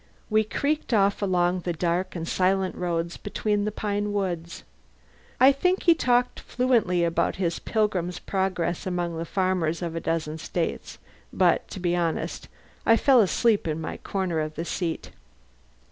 We creaked off along the dark and silent road between the pine woods. I think he talked fluently about his pilgrim's progress among the farmers of a dozen states, but (to be honest) I fell asleep in my corner of the seat.